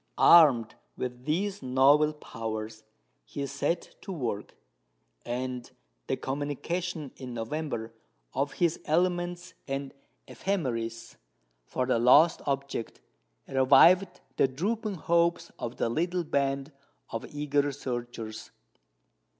Armed with these novel powers, he set to work; and the communication in November of his elements and ephemeris for the lost object revived the drooping hopes of the little band of eager searchers.